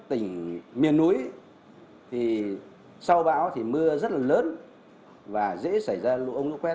tỉnh miền núi thì sau bão thì mưa rất là lớn và dễ xảy ra lũ ống lũ quét